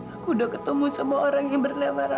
aku udah ketemu sama orang yang bernama ra